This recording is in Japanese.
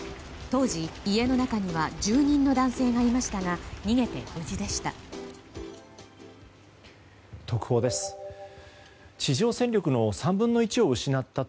当時、家の中には住人の男性がいましたが逃げて無事でした。